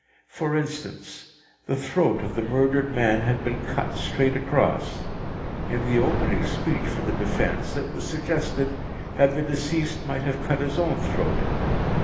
For instance: the throat of the murdered man had been cut straight across. In the opening speech for the defence, it was suggested that the deceased might have cut his own throat.